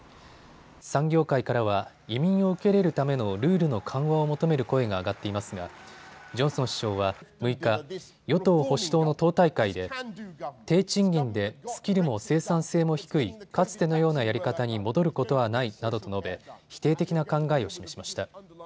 産業界からは移民を受け入れるためのルールの緩和を求める声が上がっていますがジョンソン首相は６日、与党保守党の党大会で低賃金でスキルも生産性も低いかつてのようなやり方に戻ることはないなどと述べ否定的な考えを示しました。